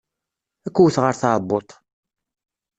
Ad k-wteɣ ar tɛebbuḍt.